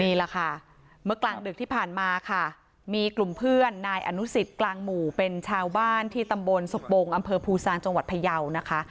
นี่แหละค่ะเมื่อกลางดึกที่ผ่านมาค่ะมีกลุ่มเพื่อนนายอนุสิตกลางหมู่เป็นชาวบ้านที่ตำบลสบงอำเภอภูซางจังหวัดพยาวนะคะ